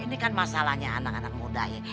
ini kan masalahnya anak anak muda ya